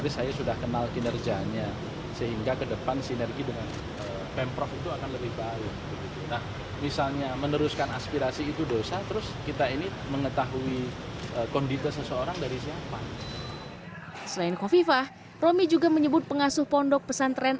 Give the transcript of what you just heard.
selain kofifah romi juga menyebut pengasuh pondok pesantren